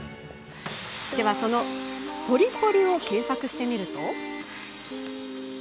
そのポリポリを検索してみると。